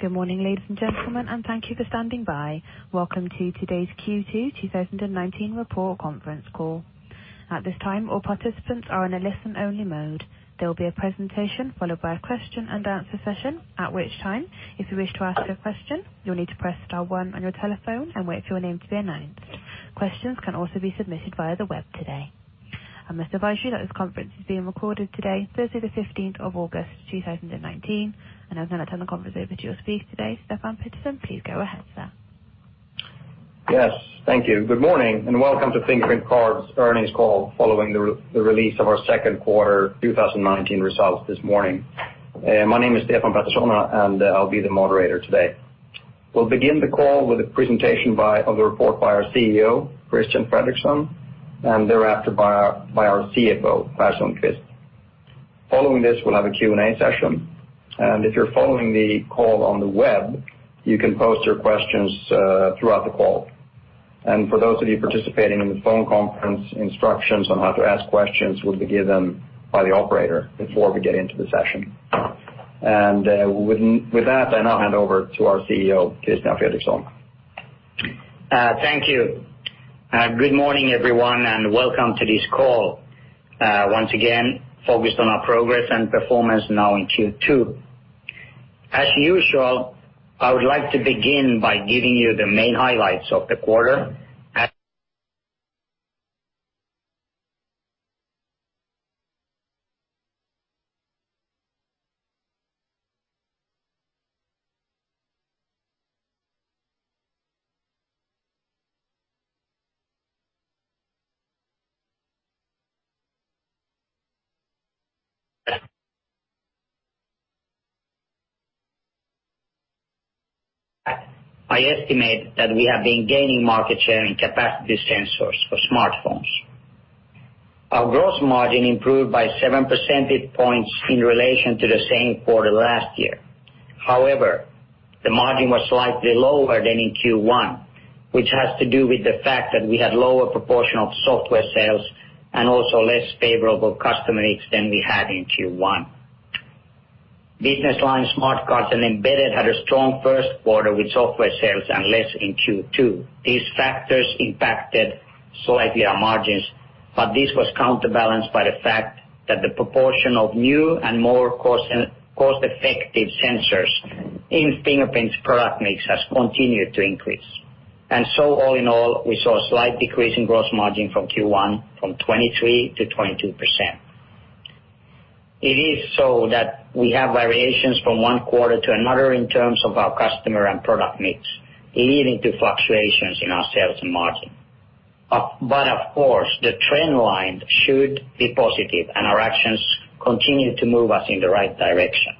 Good morning, ladies and gentlemen. Thank you for standing by. Welcome to today's Q2 2019 report conference call. At this time, all participants are in a listen-only mode. There will be a presentation followed by a question and answer session, at which time, if you wish to ask a question, you'll need to press star one on your telephone and wait for your name to be announced. Questions can also be submitted via the web today. I must advise you that this conference is being recorded today, Thursday the 15th of August, 2019, and I was going to turn the conference over to your speaker today, Stefan Pettersson. Please go ahead, sir. Yes. Thank you. Good morning and welcome to Fingerprint Cards earnings call following the release of our second quarter 2019 results this morning. My name is Stefan Pettersson, and I'll be the moderator today. We'll begin the call with a presentation of the report by our CEO, Christian Fredrikson, and thereafter by our CFO, Per Sundqvist. Following this, we'll have a Q&A session, and if you're following the call on the web, you can post your questions throughout the call. For those of you participating in the phone conference, instructions on how to ask questions will be given by the operator before we get into the session. With that, I now hand over to our CEO, Christian Fredrikson. Thank you. Good morning, everyone, and welcome to this call. Once again, focused on our progress and performance now in Q2. As usual, I would like to begin by giving you the main highlights of the quarter. I estimate that we have been gaining market share in capacitive sensors for smartphones. Our gross margin improved by seven percentage points in relation to the same quarter last year. However, the margin was slightly lower than in Q1, which has to do with the fact that we had lower proportion of software sales and also less favorable customer mix than we had in Q1. Business line smart cards and embedded had a strong first quarter with software sales and less in Q2. These factors impacted slightly our margins, but this was counterbalanced by the fact that the proportion of new and more cost-effective sensors in Fingerprint's product mix has continued to increase. All in all, we saw a slight decrease in gross margin from Q1 from 23%-22%. It is so that we have variations from one quarter to another in terms of our customer and product mix, leading to fluctuations in our sales and margin. Of course, the trend line should be positive, and our actions continue to move us in the right direction.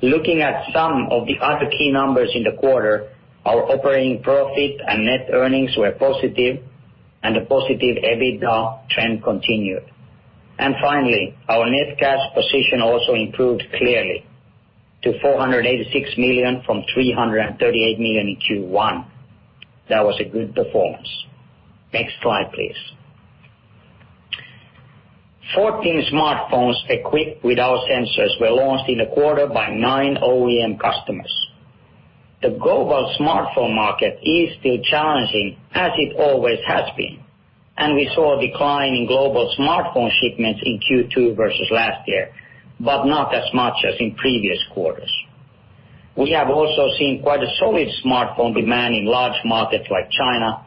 Looking at some of the other key numbers in the quarter, our operating profit and net earnings were positive, and the positive EBITDA trend continued. Finally, our net cash position also improved clearly to 486 million from 338 million in Q1. That was a good performance. Next slide, please. 14 smartphones equipped with our sensors were launched in the quarter by nine OEM customers. The global smartphone market is still challenging as it always has been, and we saw a decline in global smartphone shipments in Q2 versus last year, but not as much as in previous quarters. We have also seen quite a solid smartphone demand in large markets like China,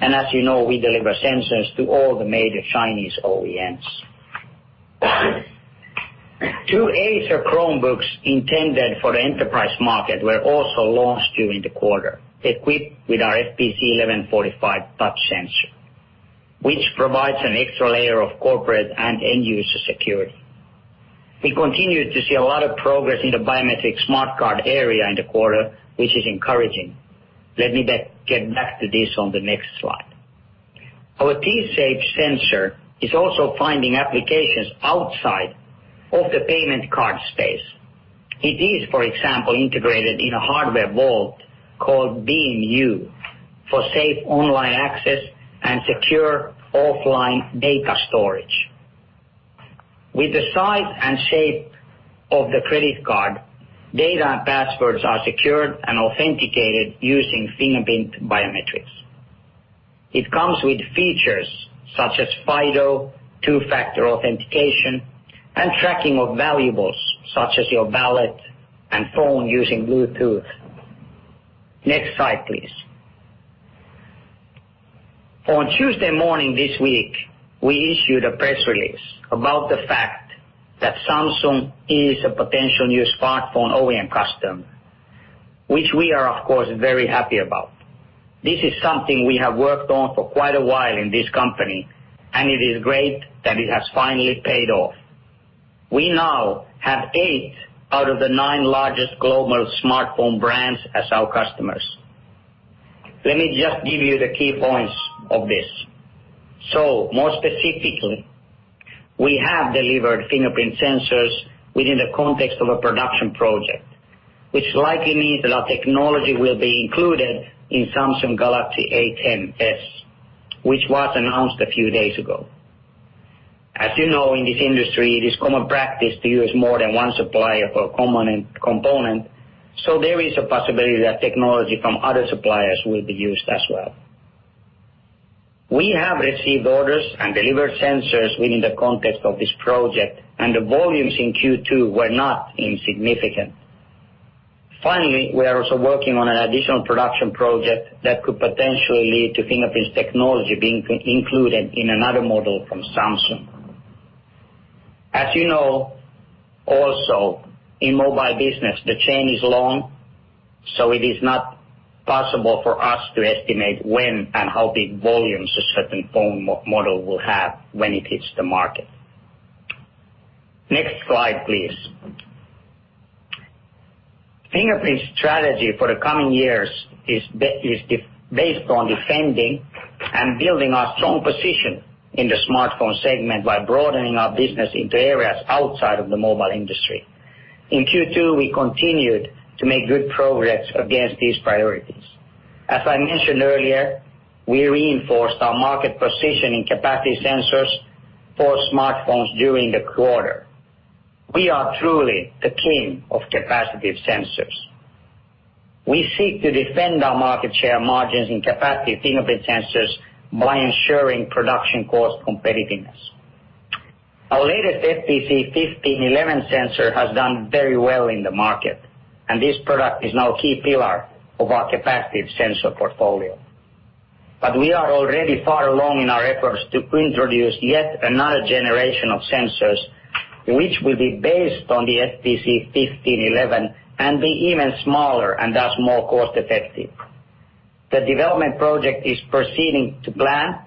and as you know, we deliver sensors to all the major Chinese OEMs. Two Acer Chromebooks intended for the enterprise market were also launched during the quarter, equipped with our FPC1145 touch sensor, which provides an extra layer of corporate and end-user security. We continued to see a lot of progress in the biometric smart card area in the quarter, which is encouraging. Let me get back to this on the next slide. Our T-Shape sensor is also finding applications outside of the payment card space. It is, for example, integrated in a hardware vault called Beam U for safe online access and secure offline data storage. With the size and shape of the credit card, data and passwords are secured and authenticated using fingerprint biometrics. It comes with features such as FIDO, two-factor authentication, and tracking of valuables such as your wallet and phone using Bluetooth. Next slide, please. On Tuesday morning this week, we issued a press release about the fact that Samsung is a potential new smartphone OEM customer, which we are, of course, very happy about. This is something we have worked on for quite a while in this company, and it is great that it has finally paid off. We now have eight out of the nine largest global smartphone brands as our customers. Let me just give you the key points of this. More specifically, we have delivered fingerprint sensors within the context of a production project, which likely means that our technology will be included in Samsung Galaxy A10s, which was announced a few days ago. As you know, in this industry, it is common practice to use more than one supplier per component, so there is a possibility that technology from other suppliers will be used as well. We have received orders and delivered sensors within the context of this project, and the volumes in Q2 were not insignificant. We are also working on an additional production project that could potentially lead to Fingerprint's technology being included in another model from Samsung. As you know also, in mobile business, the chain is long, so it is not possible for us to estimate when and how big volumes a certain phone model will have when it hits the market. Next slide, please. Fingerprint's strategy for the coming years is based on defending and building a strong position in the smartphone segment by broadening our business into areas outside of the mobile industry. In Q2, we continued to make good progress against these priorities. As I mentioned earlier, we reinforced our market position in capacitive sensors for smartphones during the quarter. We are truly the king of capacitive sensors. We seek to defend our market share margins in capacitive fingerprint sensors by ensuring production cost competitiveness. Our latest FPC1511 sensor has done very well in the market, and this product is now a key pillar of our capacitive sensor portfolio. We are already far along in our efforts to introduce yet another generation of sensors, which will be based on the FPC1511 and be even smaller and thus more cost-effective. The development project is proceeding to plan.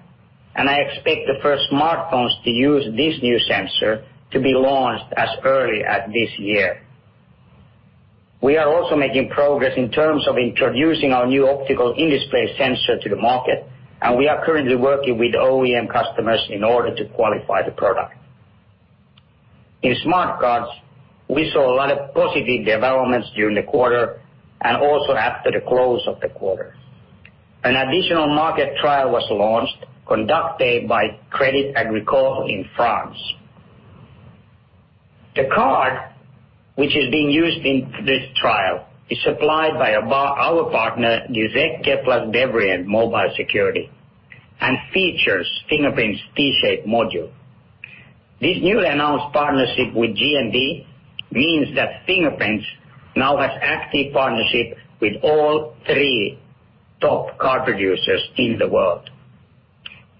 I expect the first smartphones to use this new sensor to be launched as early as this year. We are also making progress in terms of introducing our new optical in-display sensor to the market. We are currently working with OEM customers in order to qualify the product. In smart cards, we saw a lot of positive developments during the quarter and also after the close of the quarter. An additional market trial was launched, conducted by Crédit Agricole in France. The card, which is being used in this trial, is supplied by our partner, Giesecke+Devrient Mobile Security, and features Fingerprint's T-shaped module. This newly announced partnership with G+D means that Fingerprint now has active partnership with all three top card producers in the world.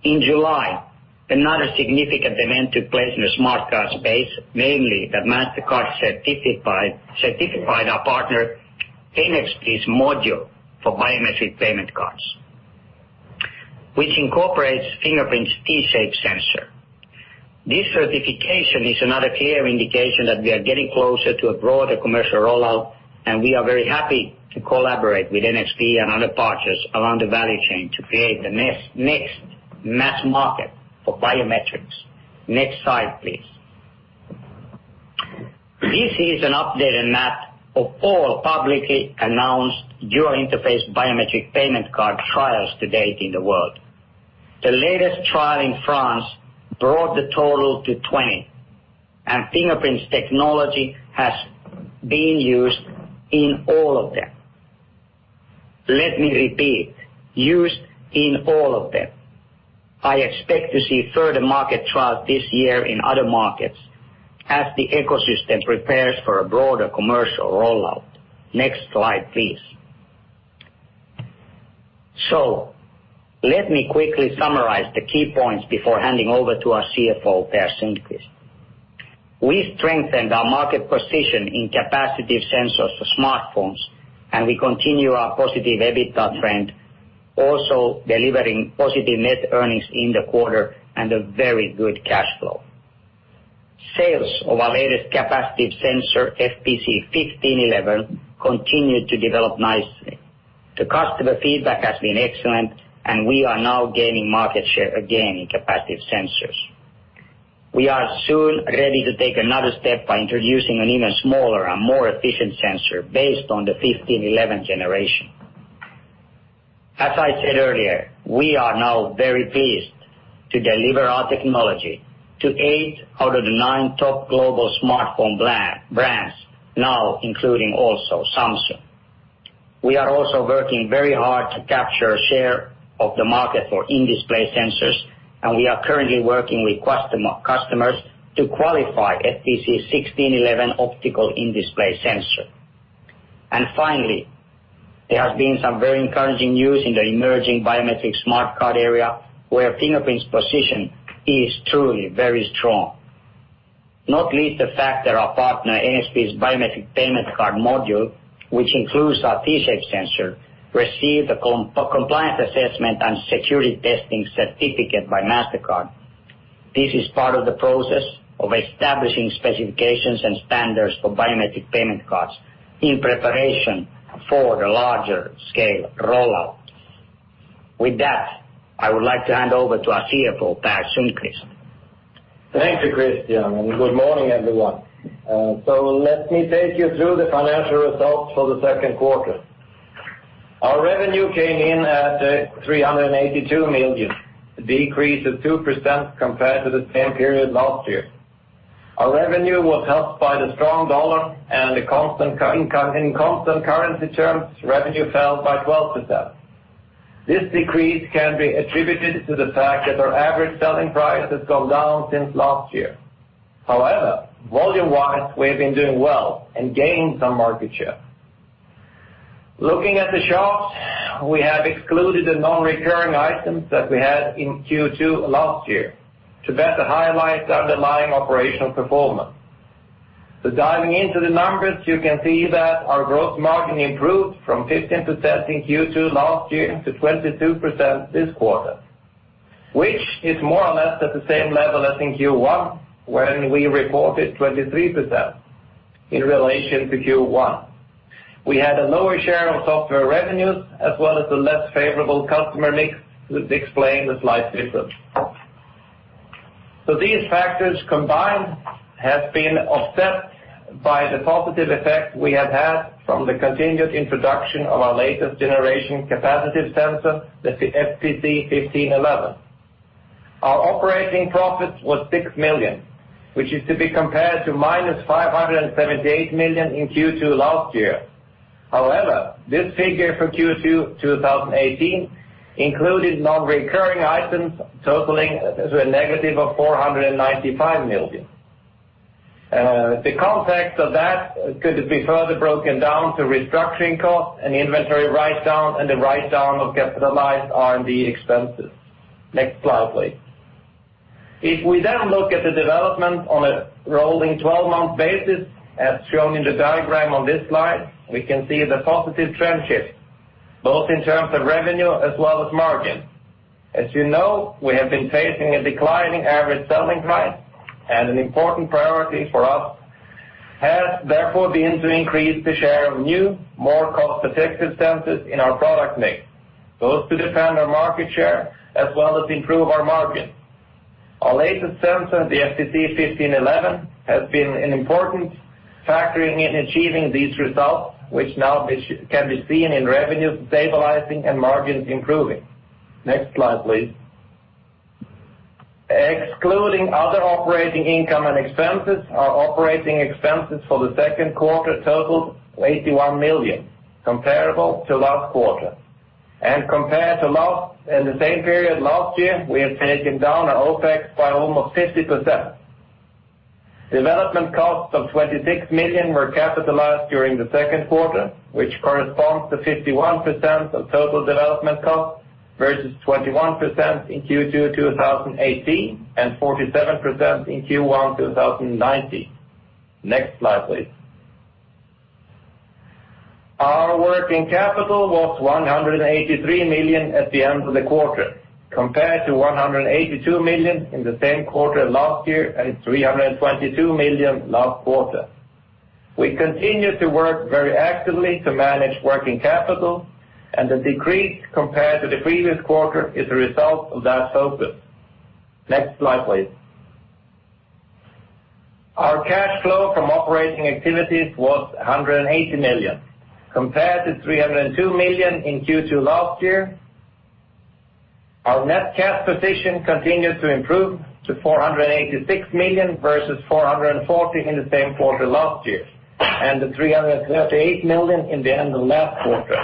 In July, another significant event took place in the smart card space, namely that Mastercard certified our partner NXP's module for biometric payment cards, which incorporates Fingerprint's T-Shape sensor. This certification is another clear indication that we are getting closer to a broader commercial rollout, and we are very happy to collaborate with NXP and other partners along the value chain to create the next mass market for biometrics. Next slide, please. This is an updated map of all publicly announced dual interface biometric payment card trials to date in the world. The latest trial in France brought the total to 20, and Fingerprint's technology has been used in all of them. Let me repeat, used in all of them. I expect to see further market trials this year in other markets as the ecosystem prepares for a broader commercial rollout. Next slide, please. Let me quickly summarize the key points before handing over to our CFO, Per Sundqvist. We strengthened our market position in capacitive sensors for smartphones, and we continue our positive EBITDA trend, also delivering positive net earnings in the quarter and a very good cash flow. Sales of our latest capacitive sensor, FPC1511, continued to develop nicely. The customer feedback has been excellent, and we are now gaining market share again in capacitive sensors. We are soon ready to take another step by introducing an even smaller and more efficient sensor based on the 1511 generation. As I said earlier, we are now very pleased to deliver our technology to eight out of the nine top global smartphone brands, now including also Samsung. We are also working very hard to capture a share of the market for in-display sensors, and we are currently working with customers to qualify FPC1611 optical in-display sensor. Finally, there has been some very encouraging news in the emerging biometric smart card area, where Fingerprint's position is truly very strong. Not least the fact that our partner NXP's biometric payment card module, which includes our T-Shape sensor, received a compliance assessment and security testing certificate by Mastercard. This is part of the process of establishing specifications and standards for biometric payment cards in preparation for the larger scale rollout. With that, I would like to hand over to our CFO, Per Sundqvist. Thank you, Christian, and good morning, everyone. Let me take you through the financial results for the second quarter. Our revenue came in at 382 million, a decrease of 2% compared to the same period last year. Our revenue was helped by the strong dollar and in constant currency terms, revenue fell by 12%. This decrease can be attributed to the fact that our average selling price has gone down since last year. Volume-wise, we have been doing well and gained some market share. Looking at the charts, we have excluded the non-recurring items that we had in Q2 last year to better highlight the underlying operational performance. Diving into the numbers, you can see that our gross margin improved from 15% in Q2 last year to 23% this quarter, which is more or less at the same level as in Q1 when we reported 23% in relation to Q1. We had a lower share of software revenues, as well as a less favorable customer mix, which explain the slight difference. These factors combined have been offset by the positive effect we have had from the continued introduction of our latest generation capacitive sensor, that's the FPC1511. Our operating profit was 6 million, which is to be compared to -578 million in Q2 last year. However, this figure for Q2 2018 included non-recurring items totaling to a negative of 495 million. The context of that could be further broken down to restructuring costs and inventory write-down, and the write-down of capitalized R&D expenses. Next slide, please. If we look at the development on a rolling 12-month basis, as shown in the diagram on this slide, we can see the positive trend shift, both in terms of revenue as well as margin. As you know, we have been facing a declining average selling price, and an important priority for us has therefore been to increase the share of new, more cost-effective sensors in our product mix, both to defend our market share as well as improve our margin. Our latest sensor, the FPC1511, has been an important factor in achieving these results, which now can be seen in revenues stabilizing and margins improving. Next slide, please. Excluding other operating income and expenses, our operating expenses for the second quarter totaled 81 million, comparable to last quarter. Compared to the same period last year, we have taken down our OPEX by almost 50%. Development costs of 26 million were capitalized during the second quarter, which corresponds to 51% of total development cost, versus 21% in Q2 2018, and 47% in Q1 2019. Next slide, please. Our working capital was 183 million at the end of the quarter, compared to 182 million in the same quarter last year and 322 million last quarter. We continue to work very actively to manage working capital, and the decrease compared to the previous quarter is a result of that focus. Next slide, please. Our cash flow from operating activities was 180 million, compared to 302 million in Q2 last year. Our net cash position continued to improve to 486 million, versus 440 million in the same quarter last year, and 338 million in the end of last quarter.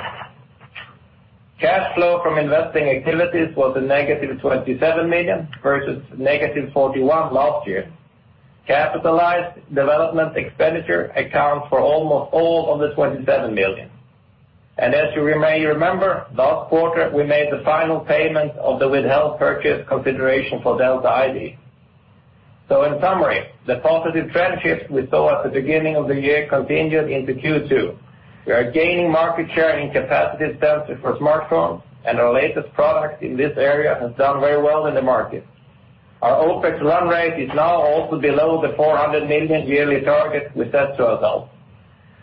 Cash flow from investing activities was a negative 27 million, versus negative 41 million last year. Capitalized development expenditure accounts for almost all of the 27 million. As you may remember, last quarter, we made the final payment of the withheld purchase consideration for Delta ID. In summary, the positive trend shift we saw at the beginning of the year continued into Q2. We are gaining market share in capacitive sensors for smartphones, and our latest product in this area has done very well in the market. Our OPEX run rate is now also below the 400 million yearly target we set to ourselves.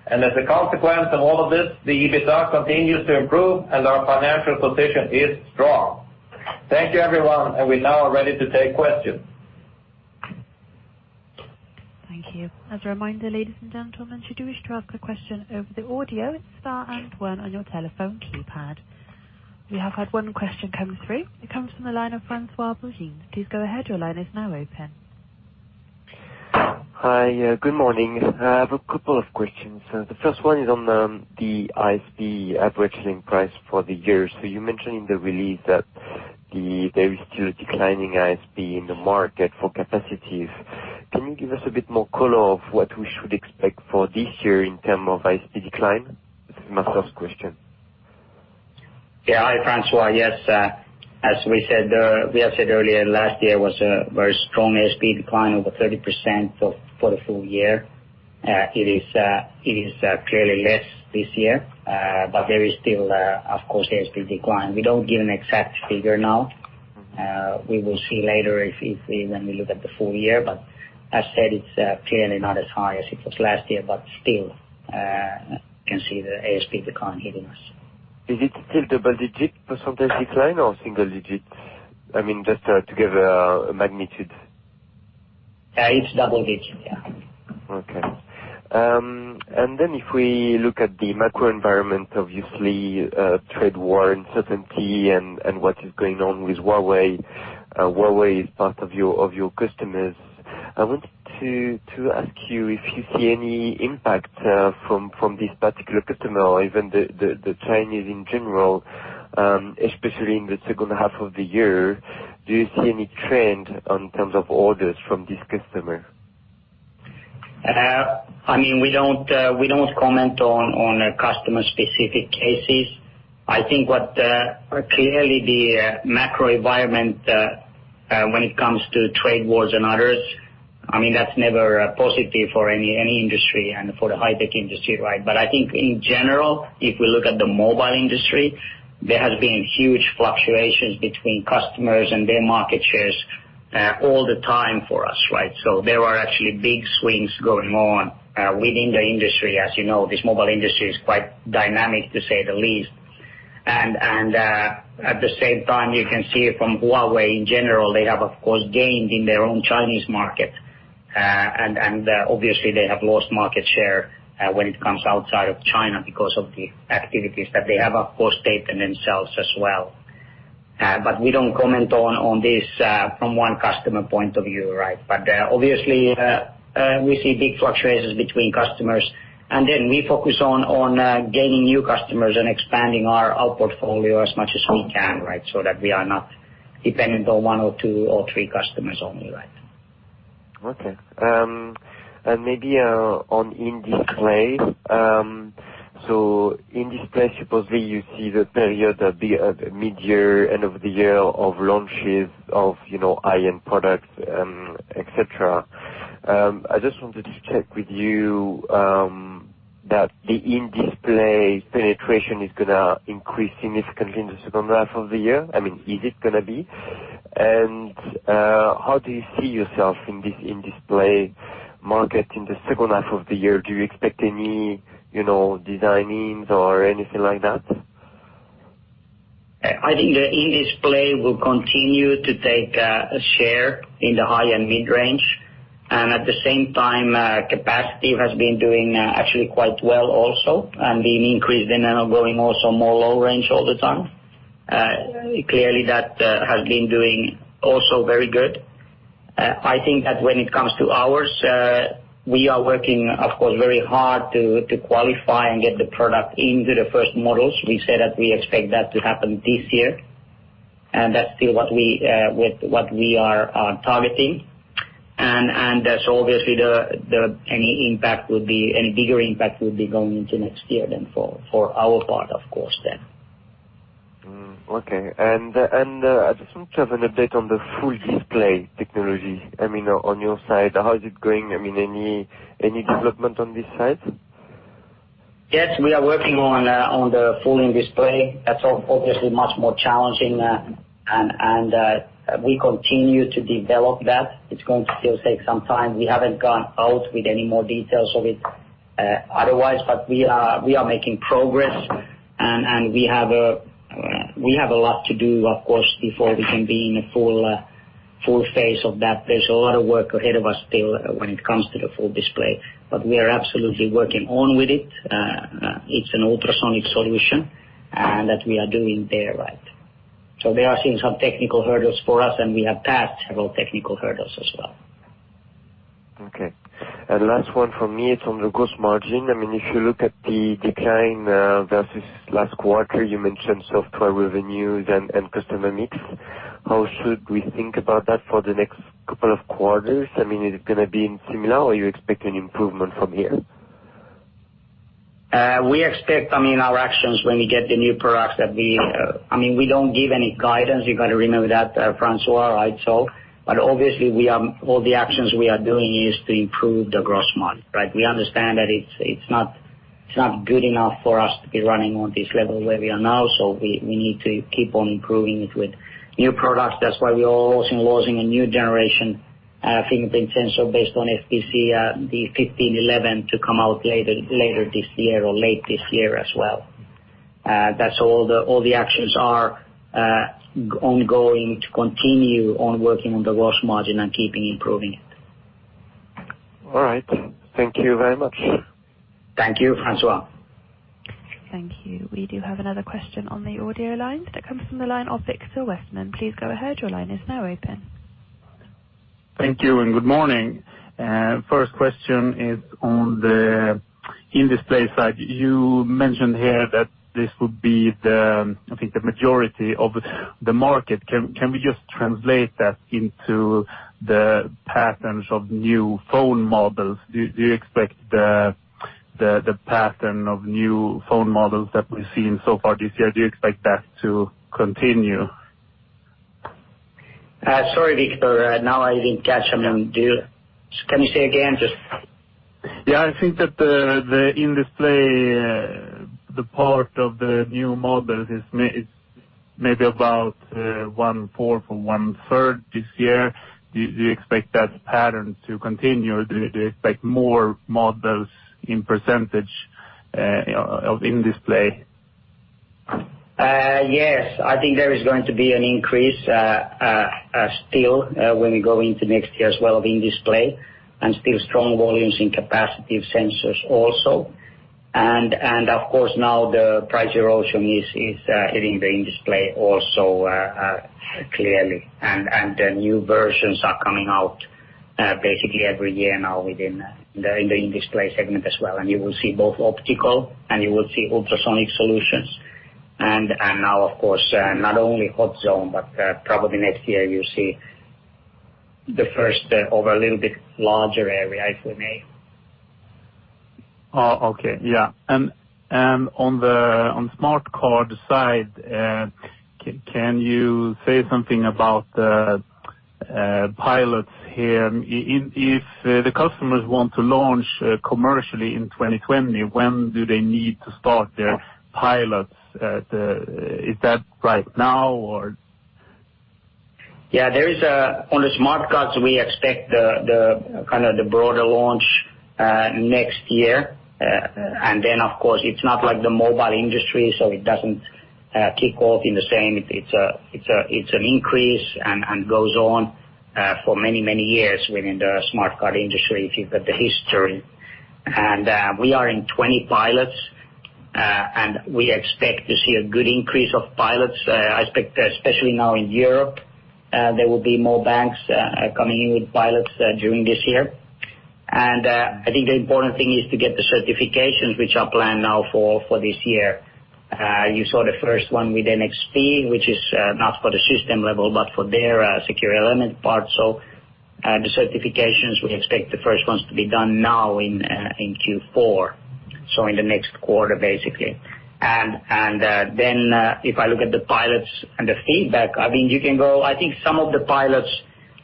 As a consequence of all of this, the EBITDA continues to improve and our financial position is strong. Thank you, everyone, and we now are ready to take questions. Thank you. As a reminder, ladies and gentlemen, should you wish to ask a question over the audio, it is star and one on your telephone keypad. We have had one question come through. It comes from the line of François Bouvignies. Please go ahead. Your line is now open. Hi. Good morning. I have a couple of questions. The first one is on the ASP average selling price for the year. You mentioned in the release that there is still a declining ASP in the market for capacitive. Can you give us a bit more color of what we should expect for this year in terms of ASP decline? This is my first question. Yeah. Hi, François. Yes. As we have said earlier, last year was a very strong ASP decline of the 30% for the full year. It is clearly less this year. There is still, of course, ASP decline. We don't give an exact figure now. We will see later when we look at the full year, but as said, it's clearly not as high as it was last year, but still can see the ASP decline hitting us. Is it still double-digit % decline or single digits, just to give a magnitude? It's double digits, yeah. Okay. If we look at the macro environment, obviously, trade war uncertainty and what is going on with Huawei. Huawei is part of your customers. I wanted to ask you if you see any impact from this particular customer or even the Chinese in general, especially in the second half of the year. Do you see any trend in terms of orders from this customer? We don't comment on customer-specific cases. I think what clearly the macro environment, when it comes to trade wars and others, that's never a positive for any industry and for the high-tech industry, right? I think in general, if we look at the mobile industry, there has been huge fluctuations between customers and their market shares all the time for us, right? There are actually big swings going on within the industry. As you know, this mobile industry is quite dynamic, to say the least. At the same time, you can see it from Huawei in general, they have, of course, gained in their own Chinese market. Obviously, they have lost market share when it comes outside of China because of the activities that they have, of course, taken themselves as well. We don't comment on this from one customer point of view, right? Obviously, we see big fluctuations between customers, and then we focus on gaining new customers and expanding our portfolio as much as we can, right? That we are not dependent on one or two or three customers only, right? Okay. Maybe on in-display. In-display, supposedly, you see the period of mid-year, end of the year of launches of high-end products, et cetera. I just wanted to check with you, that the in-display penetration is going to increase significantly in the second half of the year. Is it going to be? How do you see yourself in this in-display market in the second half of the year? Do you expect any design-ins or anything like that? I think the in-display will continue to take a share in the high and mid-range. At the same time, capacitive has been doing actually quite well also and been increased and are going also more low range all the time. Clearly, that has been doing also very good. I think that when it comes to ours, we are working, of course, very hard to qualify and get the product into the first models. We say that we expect that to happen this year. That's still what we are targeting. Obviously, any bigger impact would be going into next year then for our part, of course then. Okay. I just want to have an update on the full display technology. On your side, how is it going? Any development on this side? Yes, we are working on the full in-display. That's obviously much more challenging, and we continue to develop that. It's going to still take some time. We haven't gone out with any more details of it otherwise, but we are making progress, and we have a lot to do, of course, before we can be in a full phase of that. There's a lot of work ahead of us still when it comes to the full display, but we are absolutely working on with it. It's an ultrasonic solution, and that we are doing there right. There are some technical hurdles for us, and we have passed several technical hurdles as well. Okay. Last one from me. It is on the gross margin. If you look at the decline versus last quarter, you mentioned software revenues and customer mix. How should we think about that for the next couple of quarters? Is it going to be similar, or you expect an improvement from here? We expect our actions when we get the new products. We don't give any guidance, you got to remember that, François, right? Obviously all the actions we are doing is to improve the gross margin, right? We understand that it's not good enough for us to be running on this level where we are now. We need to keep on improving it with new products. That's why we are also launching a new generation fingerprint sensor based on FPC, the 1511, to come out later this year or late this year as well. That's all the actions are ongoing to continue on working on the gross margin and keeping improving it. All right. Thank you very much. Thank you, François. Thank you. We do have another question on the audio line that comes from the line of Viktor Westman. Please go ahead. Your line is now open. Thank you and good morning. First question is on the in-display side. You mentioned here that this would be the, I think, the majority of the market. Can we just translate that into the patterns of new phone models? Do you expect the pattern of new phone models that we've seen so far this year, do you expect that to continue? Sorry, Viktor. Now I didn't catch. Can you say again, just? Yeah. I think that the in-display, the part of the new models is maybe about one-fourth or one-third this year. Do you expect that pattern to continue? Do you expect more models in percentage of in-display? Yes, I think there is going to be an increase still when we go into next year as well of in-display and still strong volumes in capacitive sensors also. Of course, now the price erosion is hitting the in-display also clearly. The new versions are coming out basically every year now within the in-display segment as well, and you will see both optical and you will see ultrasonic solutions. Now of course, not only hot zone, but probably next year you'll see the first over a little bit larger area, if we may. Okay. Yeah. On smart card side, can you say something about the pilots here? If the customers want to launch commercially in 2020, when do they need to start their pilots? Is that right now, or? Yeah. On the smart cards, we expect the broader launch next year. Of course, it's not like the mobile industry, so it doesn't kick off in the same. It's an increase and goes on for many, many years within the smart card industry, if you've got the history. We are in 20 pilots, and we expect to see a good increase of pilots, especially now in Europe. There will be more banks coming in with pilots during this year. I think the important thing is to get the certifications which are planned now for this year. You saw the first one with NXP, which is not for the system level, but for their secure element part. The certifications, we expect the first ones to be done now in Q4. In the next quarter, basically. If I look at the pilots and the feedback, I think some of the pilots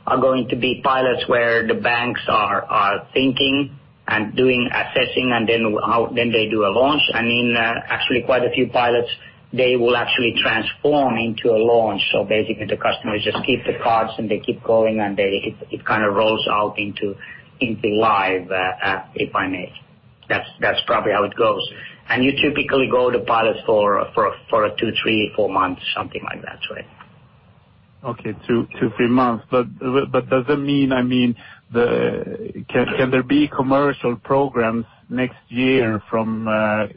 are going to be pilots where the banks are thinking and doing assessing, and then they do a launch. In actually quite a few pilots, they will actually transform into a launch. Basically, the customers just keep the cards and they keep going, and it kind of rolls out into live, if I may. That's probably how it goes. You typically go to pilots for two, three, four months, something like that. Okay, two, three months. Does it mean, can there be commercial programs next year from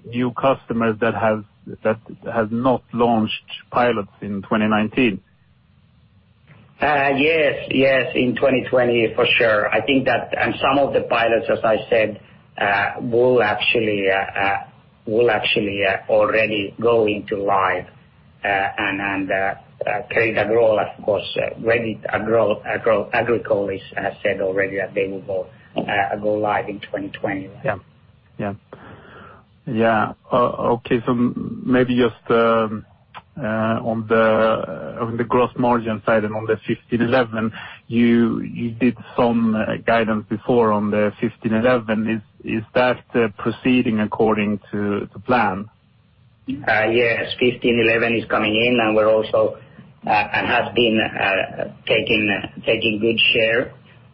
new customers that has not launched pilots in 2019? Yes. In 2020, for sure. I think that some of the pilots, as I said, will actually already go into live and carry that role, of course. Agricole has said already that they will go live in 2020. Yeah. Okay. Maybe just on the gross margin side and on the 1511, you did some guidance before on the 1511. Is that proceeding according to plan? Yes, FPC1511 is coming in, has been taking good share.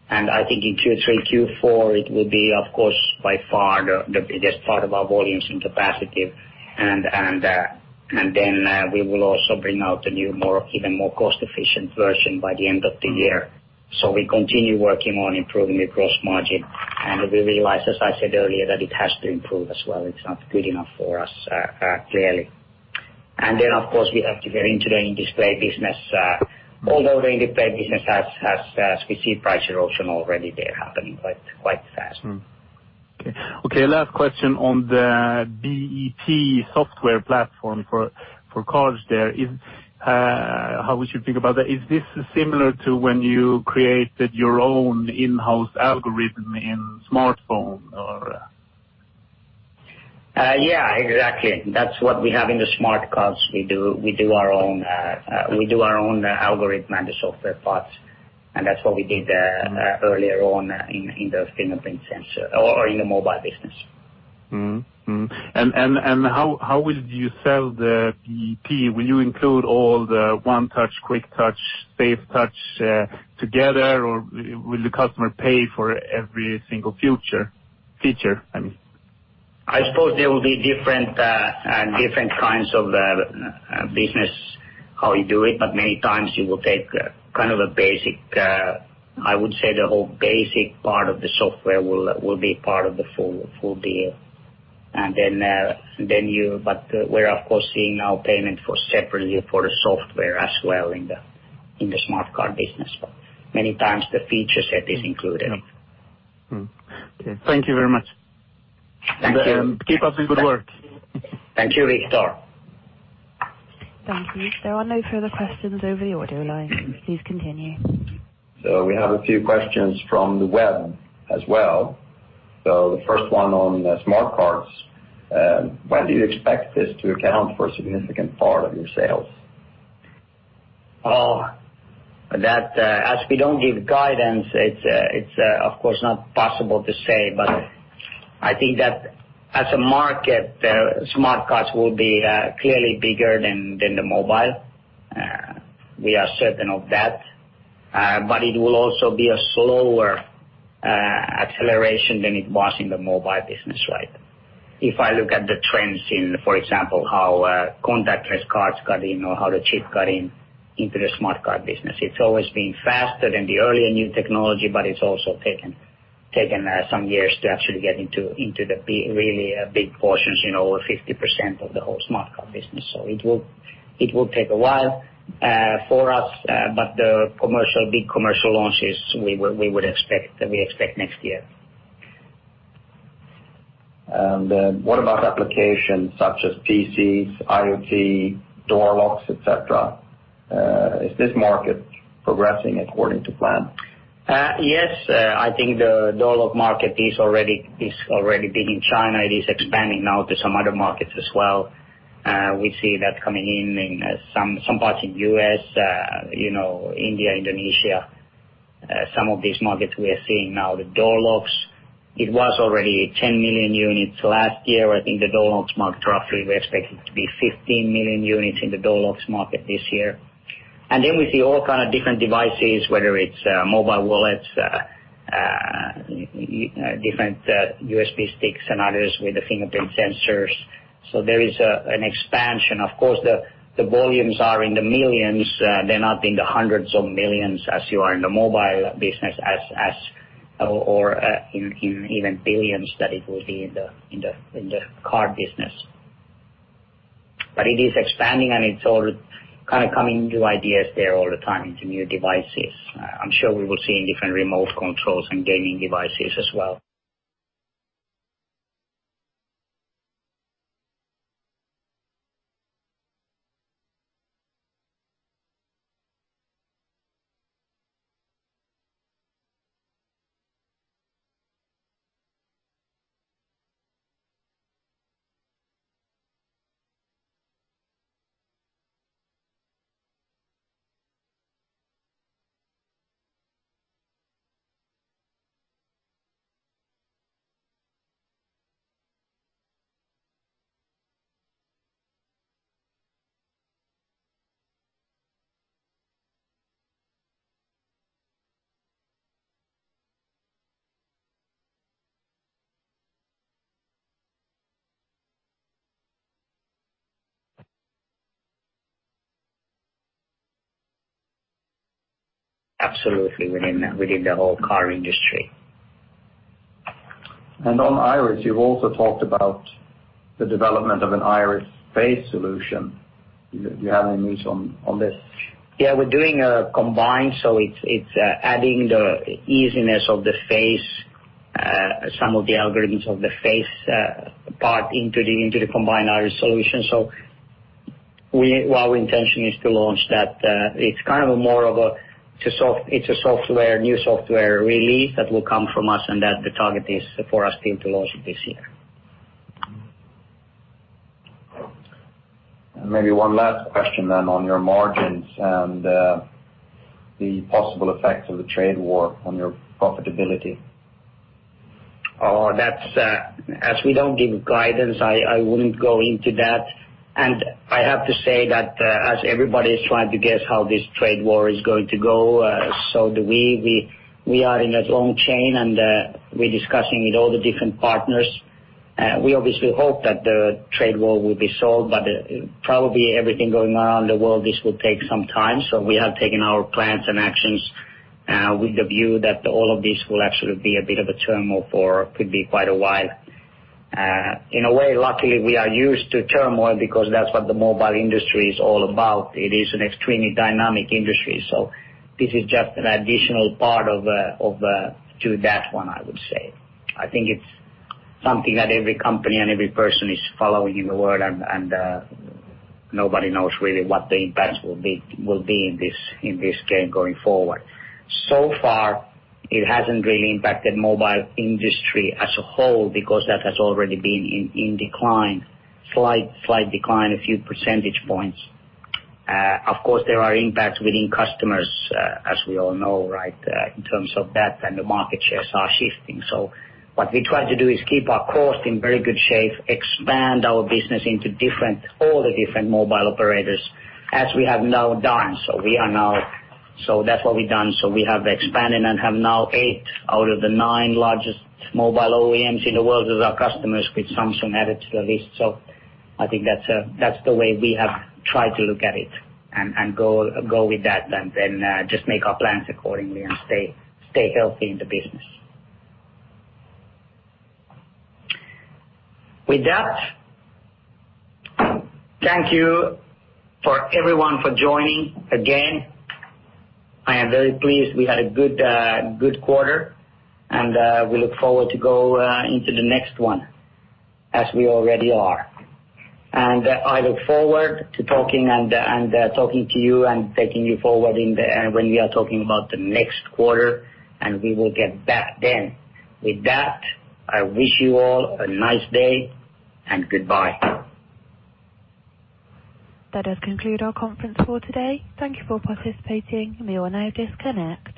I think in Q3, Q4, it will be, of course, by far the biggest part of our volumes and capacity. We will also bring out a new, even more cost-efficient version by the end of the year. We continue working on improving the gross margin. We realize, as I said earlier, that it has to improve as well. It's not good enough for us, clearly. Of course, we have to get into the in-display business. Although the in-display business has, as we see price erosion already there happening quite fast. Okay. Last question on the FPC-BEP software platform for cards there. How we should think about that? Is this similar to when you created your own in-house algorithm in smartphone? Yeah, exactly. That's what we have in the smart cards. We do our own algorithm and the software parts, and that's what we did earlier on in the fingerprint sensor or in the mobile business. Mm-hmm. How will you sell the FPC-BEP? Will you include all the FPC OneTouch, FPC QuickTouch, FPC SafeTouch together, or will the customer pay for every single feature? I suppose there will be different kinds of business, how you do it. Many times you will take kind of a basic, I would say the whole basic part of the software will be part of the full deal. We're, of course, seeing now payment for separately for the software as well in the smart card business. Many times the feature set is included. Okay. Thank you very much. Thank you. Keep up the good work. Thank you, Viktor. Thank you. There are no further questions over the audio line. Please continue. We have a few questions from the web as well. The first one on the smart cards, when do you expect this to account for a significant part of your sales? As we don't give guidance, it's of course not possible to say, but I think that as a market, smart cards will be clearly bigger than the mobile. We are certain of that. It will also be a slower acceleration than it was in the mobile business. If I look at the trends in, for example, how contactless cards got in or how the chip got in into the smart card business, it's always been faster than the earlier new technology, but it's also taken some years to actually get into the really big portions, over 50% of the whole smart card business. It will take a while for us, but the big commercial launches, we expect next year. What about applications such as PCs, IoT, door locks, et cetera. Is this market progressing according to plan? Yes, I think the door lock market is already big in China. It is expanding now to some other markets as well. We see that coming in some parts in U.S., India, Indonesia, some of these markets we are seeing now. The door locks, it was already 10 million units last year. I think the door locks market, roughly, we expect it to be 15 million units in the door locks market this year. Then we see all kind of different devices, whether it's mobile wallets, different USB sticks and others with the fingerprint sensors. There is an expansion. Of course, the volumes are in the millions. They're not in the hundreds of millions as you are in the mobile business, or in even billions that it will be in the card business. It is expanding and it's all kind of coming new ideas there all the time into new devices. I'm sure we will see in different remote controls and gaming devices as well. Absolutely within the whole car industry. On IRIS, you've also talked about the development of an IRIS face solution. Do you have any news on this? Yeah, we are doing a combined, so it is adding the easiness of the face, some of the algorithms of the face part into the combined IRIS solution. Our intention is to launch that. It is a new software release that will come from us, and that the target is for us still to launch this year. Maybe one last question then on your margins and the possible effects of the trade war on your profitability. As we don't give guidance, I wouldn't go into that. I have to say that, as everybody is trying to guess how this trade war is going to go, so do we. We are in a long chain, and we're discussing with all the different partners. We obviously hope that the trade war will be solved, but probably everything going on around the world, this will take some time. We have taken our plans and actions, with the view that all of this will actually be a bit of a turmoil for could be quite a while. In a way, luckily, we are used to turmoil because that's what the mobile industry is all about. It is an extremely dynamic industry. This is just an additional part to that one, I would say. I think it's something that every company and every person is following in the world, and nobody knows really what the impact will be in this game going forward. Far it hasn't really impacted mobile industry as a whole because that has already been in decline. Slight decline, a few percentage points. Of course, there are impacts within customers, as we all know, in terms of that and the market shares are shifting. What we try to do is keep our cost in very good shape, expand our business into all the different mobile operators as we have now done. That's what we've done. We have expanded and have now eight out of the nine largest mobile OEMs in the world as our customers, with Samsung added to the list. I think that's the way we have tried to look at it and go with that, and then just make our plans accordingly and stay healthy in the business. With that, thank you for everyone for joining again. I am very pleased we had a good quarter, and we look forward to go into the next one, as we already are. I look forward to talking to you and taking you forward when we are talking about the next quarter, and we will get back then. With that, I wish you all a nice day and goodbye. That does conclude our conference call today. Thank you for participating. You all now disconnect.